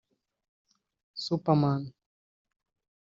Superman